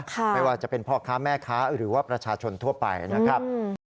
ไม่ว่าจะเป็นพ่อค้าแม่ค้าหรือว่าประชาชนทั่วไปนะครับ